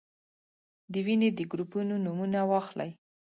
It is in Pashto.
د وینې د ګروپونو نومونه واخلئ.